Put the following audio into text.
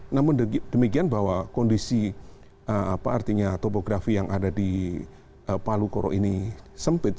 namun demikian bahwa kondisi apa artinya topografi yang ada di palu koro ini sempit